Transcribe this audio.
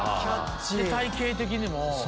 体形的にも。